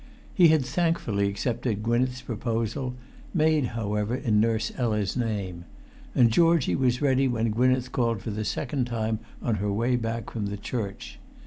He had thankfully accepted Gwynneth's proposal, made, however, in Nurse Ella's name; and Georgie was ready when Gwynneth called for the second time on her way back from the church.